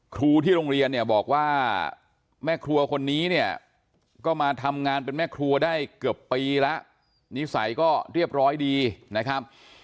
ครูที่โรงเรียนเนี่ยบอกว่าแม่ครัวคนนี้เนี่ยก็มาทำงานเป็นแม่ครัวได้เกือบปีแล้วนิสัยก็เรียบร้อยดีนะครับ